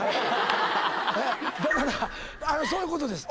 だからそういうことです